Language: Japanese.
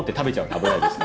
食べないでしょ！